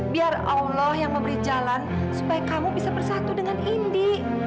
biar allah yang memberi jalan supaya kamu bisa bersatu dengan indi